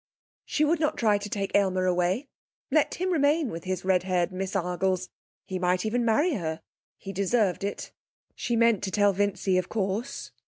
She would not try to take Aylmer away. Let him remain with his red haired Miss Argles! He might even marry her. He deserved it. She meant to tell Vincy, of course.